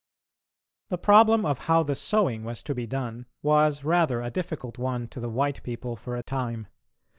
The problem of how the sewing was to be done was rather a difficult one to the white people for a time.